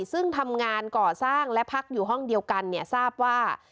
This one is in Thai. ซึ่งทำงานก่อสร้างและพักอยู่ห้องเดียวกันเนี่ยทราบว่า